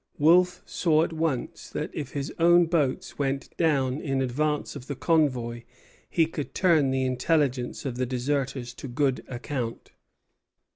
Wolfe saw at once that, if his own boats went down in advance of the convoy, he could turn the intelligence of the deserters to good account.